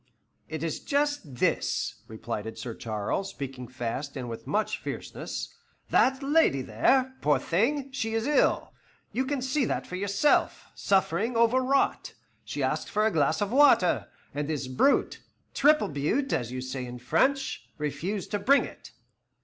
"It is just this," replied Sir Charles, speaking fast and with much fierceness: "that lady there poor thing, she is ill, you can see that for yourself, suffering, overwrought; she asked for a glass of water, and this brute, triple brute, as you say in French, refused to bring it."